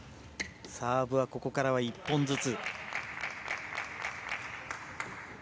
サーブはここからは１本ずつ。